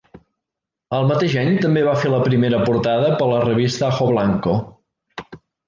El mateix any també va fer la primera portada per a la revista Ajoblanco.